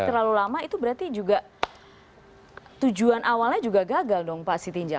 terlalu lama itu berarti juga tujuan awalnya juga gagal dong pak sitinja